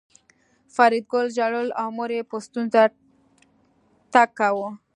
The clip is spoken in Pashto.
فریدګل ژړل او مور یې په ستونزه تګ کاوه